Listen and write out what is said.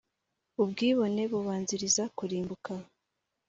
ubwibone bubanziriza kuri mbuka